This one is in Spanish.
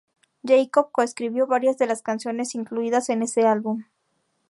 Jacob co-escribió varias de las canciones incluidas en ese álbum.